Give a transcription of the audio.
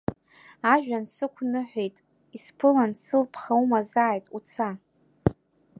Ажәҩан сықәныҳәеит, исԥылан, сылԥха умазааит, уца!